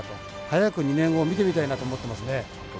早く２年後見てみたいなと思ってますね。